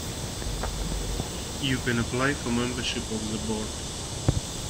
You can apply for membership of the board.